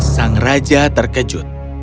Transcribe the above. sang raja terkejut